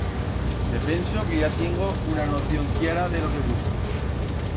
Me penso que ya tiengo una noción cllara de lo que busco.